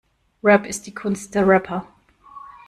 Rap ist die Kunst der Rapper.